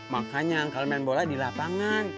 makanya kalau main bola di lapangan